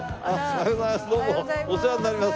おはようございます。